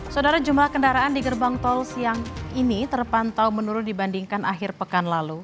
saudara jumlah kendaraan di gerbang tol siang ini terpantau menurun dibandingkan akhir pekan lalu